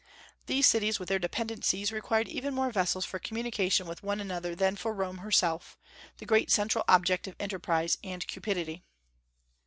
These cities with their dependencies required even more vessels for communication with one another than for Rome herself, the great central object of enterprise and cupidity.